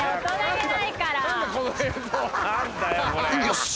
よし！